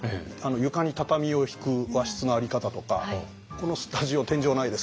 床に畳を敷く和室の在り方とかこのスタジオ天井ないですけど天井板を家につける。